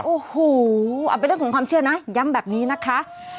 โอ้โหเป็นเรื่องของความเชื่อนะย้ำแบบนี้นะคะ